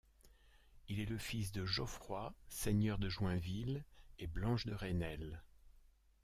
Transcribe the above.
Il est le fils de Geoffroy, seigneur de Joinville, et Blanche de Reynel.